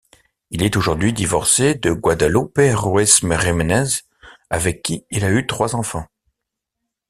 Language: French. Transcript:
Il est aujourd'hui divorcé de Guadalupe Ruiz-Giménez, avec qui il a eu trois enfants.